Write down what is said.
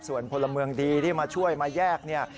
ส่วนพลเมืองดีที่มาช่วยมาแยกเนี่ย